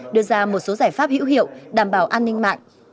đưa ra một số giải pháp hữu hiệu đảm bảo an ninh mạng